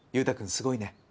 すごいね！